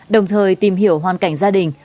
đồng thời tìm hiểu hoàn cảnh gia đình